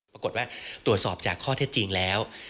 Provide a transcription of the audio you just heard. ปรากฏว่าตรวจสอบจากข้อเท็จจริงแล้ว